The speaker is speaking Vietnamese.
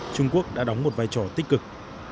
trung quốc đã đóng một vai trò tích cực